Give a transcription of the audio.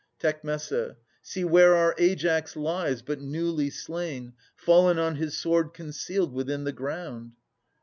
Tec. See where our Aias lies, but newly slain, Fallen on his sword concealed within the ground.